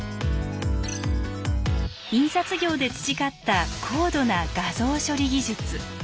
印刷業で培った高度な画像処理技術。